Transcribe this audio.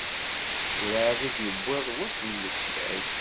Werɛad i d-yewwiḍ wass n leslak.